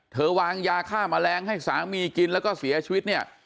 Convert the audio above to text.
วางยาฆ่าแมลงให้สามีกินแล้วก็เสียชีวิตเนี่ย